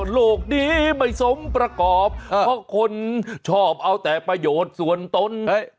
โลกดีไม่สมประกอบเพราะคนชอบเอาแต่ประโยชน์ส่วนตน